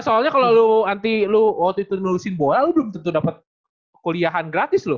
ya soalnya kalau lu waktu itu nulisin bola lu belum tentu dapat kuliahan gratis loh